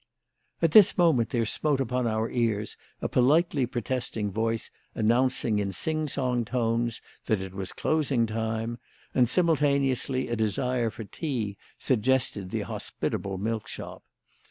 At this moment there smote upon our ears a politely protesting voice announcing in sing song tones that it was closing time; and simultaneously a desire for tea suggested the hospitable milk shop.